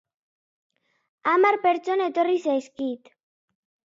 Hamar pertsona etorri zaizkit.